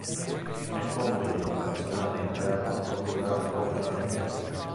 È compito del personale interno procurare l'opera richiesta.